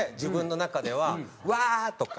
「うわー！」とか。